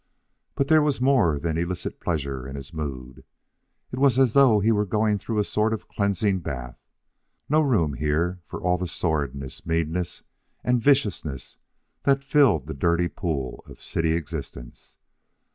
But there was more than illicit pleasure in his mood. It was as though he were going through a sort of cleansing bath. No room here for all the sordidness, meanness, and viciousness that filled the dirty pool of city existence.